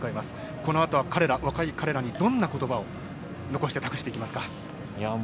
このあとは若い彼らにどんな言葉を残して託していきますか？